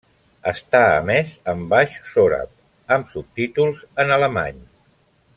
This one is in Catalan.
Està emès en baix sòrab amb subtítols en alemany.